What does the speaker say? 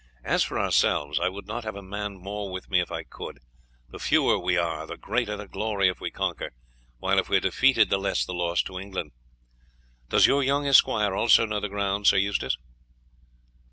As for ourselves, I would not have a man more with me if I could; the fewer we are the greater the glory if we conquer, while if we are defeated the less the loss to England. Does your young esquire also know the ground, Sir Eustace?"